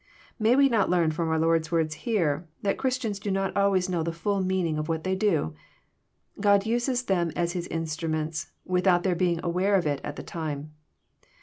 May we not learn, flrom our Lord's words here, that Christians do not always know the full meaning of what they do ? God uses them as His instruments, without their being aware of it at the time.